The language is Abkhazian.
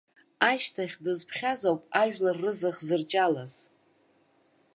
Ашьҭахь дзыԥхьаз ауп ажәлар рызах зырҷалаз.